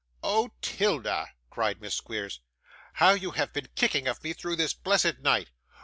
'Oh, 'Tilda!' cried Miss Squeers, 'how you have been kicking of me through this blessed night!